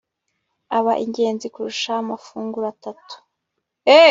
aba ingenzi kurusha amafunguro atatu